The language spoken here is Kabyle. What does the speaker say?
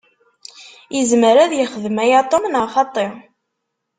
Izmer ad yexdem aya Tom, neɣ xaṭi?